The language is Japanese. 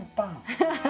ハハハ！